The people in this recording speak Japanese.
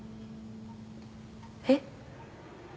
えっ？